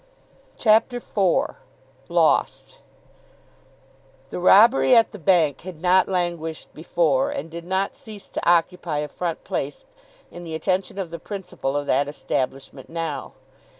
CHAPTER IV LOST THE robbery at the Bank had not languished before, and did not cease to occupy a front place in the attention of the principal of that establishment now.